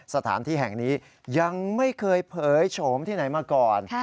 สถานที่แห่งนี้ยังไม่เคยเผยโฉมที่ไหนมาก่อน